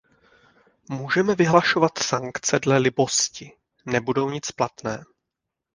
Můžeme vyhlašovat sankce dle libosti, nebudou nic platné.